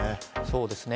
そうですね。